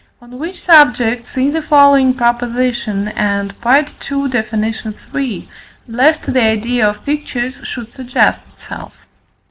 On which subject see the following proposition, and II. Def. iii., lest the idea of pictures should suggest itself.